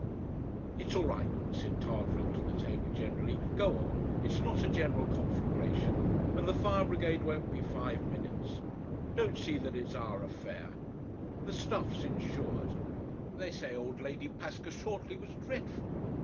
"It's all right," said Tarvrille to the table generally. "Go on! It's not a general conflagration, and the fire brigade won't be five minutes. Don't see that it's our affair. The stuff's insured. They say old Lady Paskershortly was dreadful.